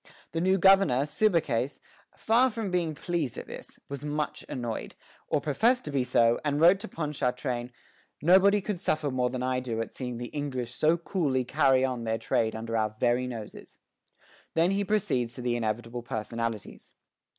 The new governor, Subercase, far from being pleased at this, was much annoyed, or professed to be so, and wrote to Ponchartrain, "Nobody could suffer more than I do at seeing the English so coolly carry on their trade under our very noses." Then he proceeds to the inevitable personalities.